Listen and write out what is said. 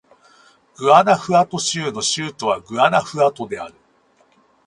グアナフアト州の州都はグアナフアトである